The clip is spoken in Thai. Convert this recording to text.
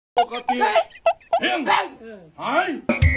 โปรดติดตามตอนต่อไป